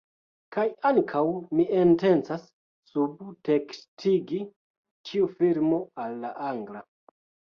Kaj ankaŭ mi intencas subtekstigi ĉiu filmo al la angla